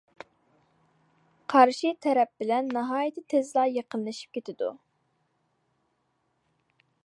قارشى تەرەپ بىلەن ناھايىتى تېزلا يېقىنلىشىپ كېتىدۇ.